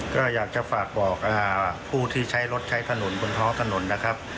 ก็อยากจะฝากบอกผู้ที่ใช้รถใช้ถนนบนท้องถนนนะครับ